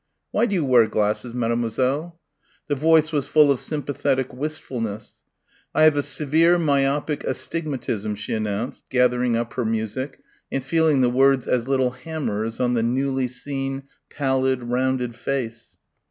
"Why do you wear glasses, mademoiselle?" The voice was full of sympathetic wistfulness. "I have a severe myopic astigmatism," she announced, gathering up her music and feeling the words as little hammers on the newly seen, pallid, rounded face.